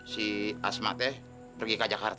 si asma teh pergi ke jakarta